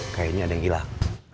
kayaknya ada yang hilang